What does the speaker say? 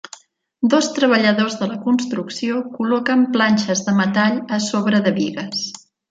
Dos treballadors de la construcció col·loquen planxes de metall a sobre de bigues.